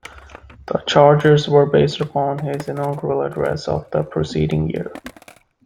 The charges were based upon his inaugural address of the preceding year.